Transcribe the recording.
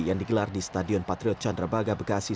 yang digelar di stadion patriot chandra braga bekasi